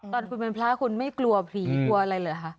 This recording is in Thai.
ตอนคุณเป็นพระคุณไม่กลัวผีกลัวอะไรเหรอคะ